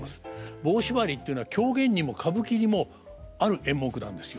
「棒しばり」っていうのは狂言にも歌舞伎にもある演目なんですよ。